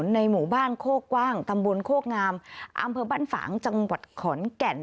ในหมู่บ้านโคกว้างตำบลโคกงามอำเภอบ้านฝางจังหวัดขอนแก่น